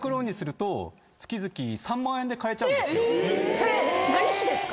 それ何市ですか？